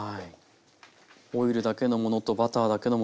オイルだけのものとバターだけのもの